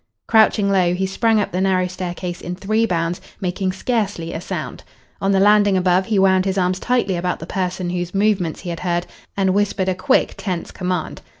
Crouching low, he sprang up the narrow staircase in three bounds, making scarcely a sound. On the landing above he wound his arms tightly about the person whose movements he had heard and whispered a quick, tense command.